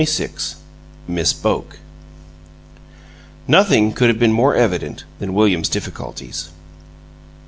XXVI MISS BOKE Nothing could have been more evident than William's difficulties.